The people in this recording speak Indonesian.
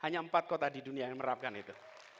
hanya empat kota di dunia yang menerapkan itu